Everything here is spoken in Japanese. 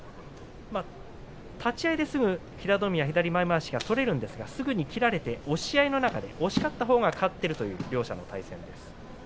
立ち合いですぐ平戸海が左前まわしを取れるんですけども切られてそのあと押し勝ったほうが勝つという両者の対戦です。